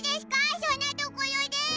そんなところでェ？